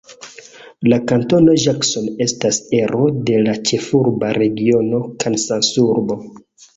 La kantono Jackson estas ero de la Ĉefurba Regiono Kansasurbo.